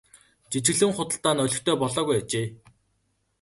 Жижиглэн худалдаа нь олигтой болоогүй ажээ.